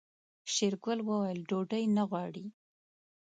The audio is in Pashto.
شېرګل وويل ډوډۍ نه غواړي.